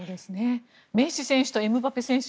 メッシ選手とエムバペ選手